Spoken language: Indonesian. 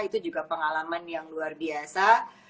itu juga pengalaman yang luar biasa